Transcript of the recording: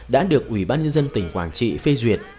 đã được ủy ban nhân dân tỉnh quảng trị phê duyệt